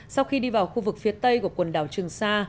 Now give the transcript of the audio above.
sau khi đi vào khu vực phía tây của quần đảo trường sa